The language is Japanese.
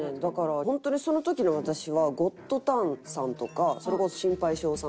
だから本当にその時の私は『ゴッドタン』さんとかそれこそ『シンパイ賞！！』